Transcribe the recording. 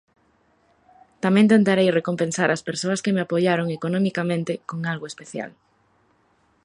Tamén tentarei recompensar ás persoas que me apoiaron economicamente con algo especial.